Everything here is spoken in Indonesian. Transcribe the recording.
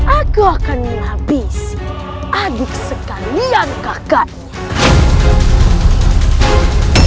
aku akan menghabis adik sekalian kakaknya